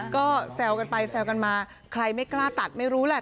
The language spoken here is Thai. ก็แซวกันไปแซวกันมาใครไม่กล้าตัดไม่รู้แหละ